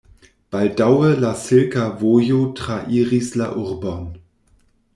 Baldaŭe la silka vojo trairis la urbon.